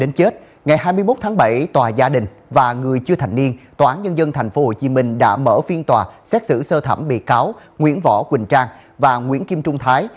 đến chết ngày hai mươi một tháng bảy tòa gia đình và người chưa thành niên tòa án nhân dân tp hcm đã mở phiên tòa xét xử sơ thẩm bị cáo nguyễn võ quỳnh trang và nguyễn kim trung thái